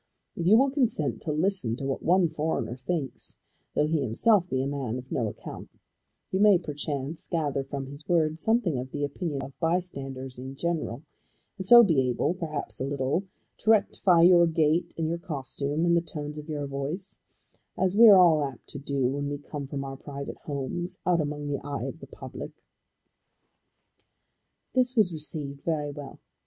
If you will consent to listen to what one foreigner thinks, though he himself be a man of no account, you may perchance gather from his words something of the opinion of bystanders in general, and so be able, perhaps a little, to rectify your gait and your costume and the tones of your voice, as we are all apt to do when we come from our private homes, out among the eyes of the public." This was received very well.